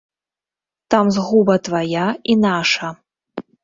Там згуба твая і наша.